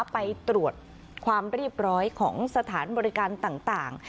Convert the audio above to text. ไปตรวจความเรียบร้อยของสถานบริการต่าง